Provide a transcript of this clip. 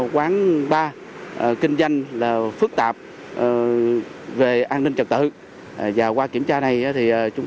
bốn mươi năm quán bar kinh doanh phức tạp về an ninh trật tự qua kiểm tra này chúng tôi đã đảm bảo an ninh